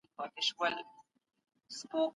که بحث وسي د سیاست علمي اړخ روښانه کیږي.